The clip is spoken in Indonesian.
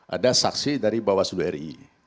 ada saksi dari bawah seluruh ri